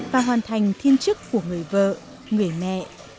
và hoàn thành thiên chức của người vợ người mẹ